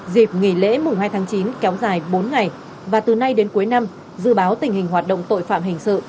dịp nghỉ lễ mùng hai tháng chín kéo dài bốn ngày và từ nay đến cuối năm dự báo tình hình hoạt động tội phạm hình sự